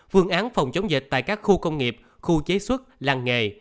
phương án phòng chống dịch tại các khu công nghiệp khu chế xuất làng nghề